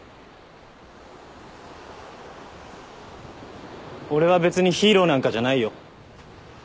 俺は別にヒーローなんかじゃないよ。